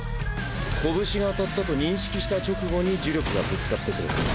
拳が当たったと認識した直後に呪力がぶつかってくる。